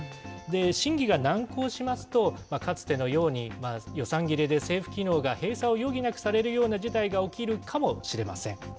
審議が難航しますと、かつてのように、予算切れで政府機能が閉鎖を余儀なくされるような事態が起きるかもしれません。